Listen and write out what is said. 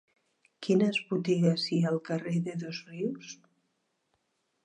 Quines botigues hi ha al carrer de Dosrius?